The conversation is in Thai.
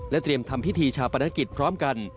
เตรียมทำพิธีชาปนกิจพร้อมกัน